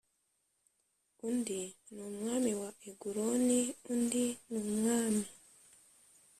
Undi ni umwami wa eguloni undi ni umwami